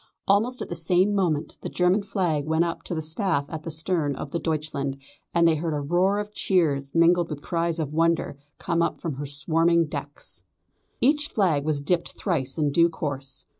Almost at the same moment the German flag went up to the staff at the stern of the Deutschland, and they heard a roar of cheers, mingled with cries of wonder, come up from her swarming decks. Each flag was dipped thrice in due course.